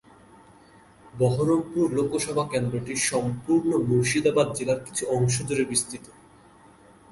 বহরমপুর লোকসভা কেন্দ্রটি সম্পূর্ণ মুর্শিদাবাদ জেলার কিছু অংশ জুড়ে বিস্তৃত।